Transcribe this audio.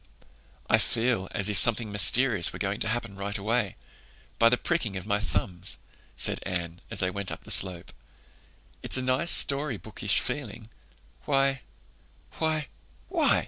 "I feel as if something mysterious were going to happen right away—'by the pricking of my thumbs,'" said Anne, as they went up the slope. "It's a nice story bookish feeling. Why—why—why!